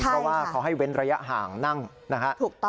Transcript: เพราะว่าเขาให้เว้นระยะห่างนั่งนะฮะ